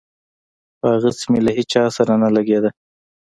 خو هغسې مې له هېچا سره نه لګېده.